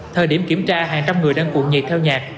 thời điểm kiểm tra hàng trăm người đang cuộn nhịp theo nhạc